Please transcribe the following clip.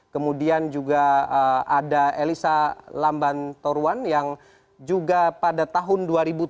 kemudian juga ada elisa lamban toruan yang juga pada tahun dua ribu tujuh belas